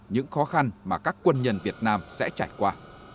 những khó khăn mà các quân nhân việt nam sẽ trải qua